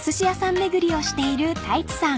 巡りをしている太一さん］